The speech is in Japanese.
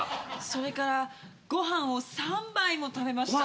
それからご飯を３杯も食べました。